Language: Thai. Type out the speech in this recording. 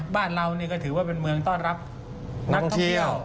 บ้านเรานี่ก็ถือว่าเป็นเมืองต้อนรับนักท่องเที่ยว